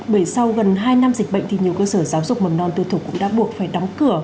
bởi sau gần hai năm dịch bệnh thì nhiều cơ sở giáo dục mầm non tư thục cũng đã buộc phải đóng cửa